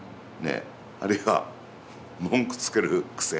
あるいは文句つける癖。